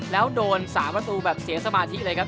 แล้วโดน๓ประตูแบบเสียสมาธิเลยครับ